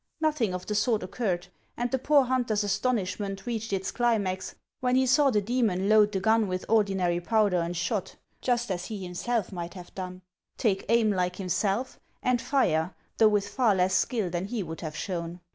Nothing of the sort occurred, and the poor hunter's astonishment reached its climax when he saw the demon load the gun with ordinary powder and shot, just as he himself might have done, take aim like himself, and fire, though with far less skill than he would have shown.